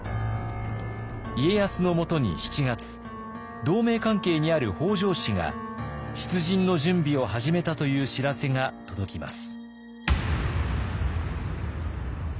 家康のもとに７月同盟関係にある北条氏が出陣の準備を始めたという知らせが届きます。